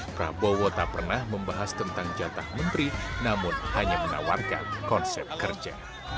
prabowo tak pernah membahas tentang jatah menteri namun hanya menawarkan konsep kerja